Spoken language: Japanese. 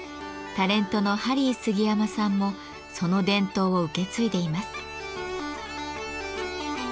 タレントのハリー杉山さんもその伝統を受け継いでいます。